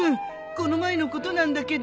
この前のことなんだけど。